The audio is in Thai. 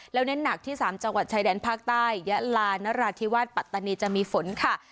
แล้วเน้นหนักที่๓จังหวัดชายแดนภาคใต้ยะลานราธิวาสปัตตานีจะมีฝนค่ะ